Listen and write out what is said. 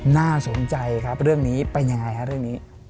น่าสนใจครับเรื่องนี้เป็นยังไงฮะเรื่องนี้